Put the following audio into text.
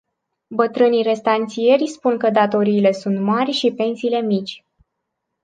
Bătrânii restanțieri spun că datoriile sunt mari și pensiile mici.